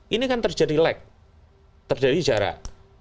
ini kan terjadi lag terjadi jarak